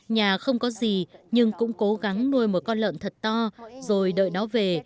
nhà không có gì nhưng cũng cố gắng nuôi một con lợn thật to rồi đợi nó về